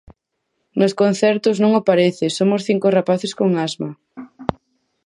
Nos concertos non o parece Somos cinco rapaces con asma.